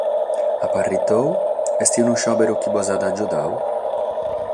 A parre tuo est unu seberu chi bos at agiudadu?